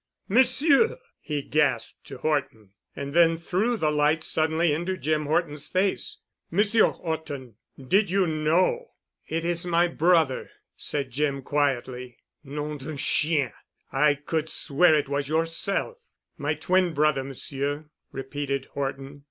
"Monsieur!" he gasped to Horton, and then threw the light suddenly into Jim Horton's face. "Monsieur Horton, did you know——?" "It is my brother," said Jim quietly. "Nom d'un chien! I could swear it was yourself." "My twin brother, Monsieur," repeated Horton.